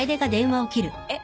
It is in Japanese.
えっ？